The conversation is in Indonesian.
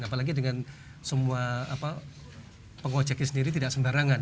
apalagi dengan semua pengojeknya sendiri tidak sembarangan